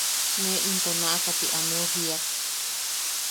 Ne into naʼaka ti ameu jiak.